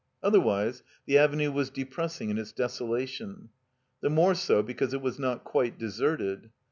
Otherwise the Avenue was depressing in its deso lation. The more so because it was not quite de serted.